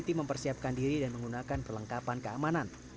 tim mempersiapkan diri dan menggunakan perlengkapan keamanan